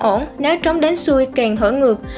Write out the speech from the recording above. ổn nếu trống đánh xuôi kèn thổi ngược